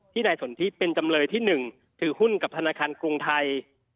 ที่ในส่วนที่เป็นจำนวยที่๑ถือหุ้นกับธนาคารกรุงไทย